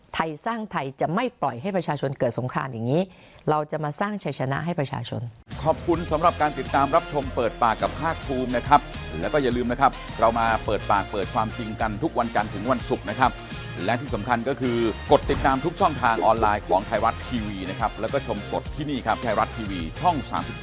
ไทยสร้างไทยจะไม่ปล่อยให้ประชาชนเกิดสงครานอย่างนี้เราจะมาสร้างชัยชนะให้ประชาชน